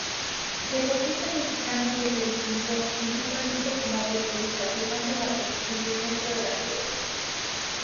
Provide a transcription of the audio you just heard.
Deportista mexicano que se distinguió, principalmente, como futbolista, jugando la posición de centro delantero.